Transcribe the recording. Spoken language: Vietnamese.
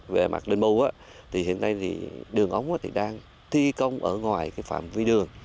về mặt đền bù hiện nay đường ống đang thi công ở ngoài phạm vi đường